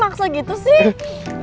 kok kayak maksa gitu sih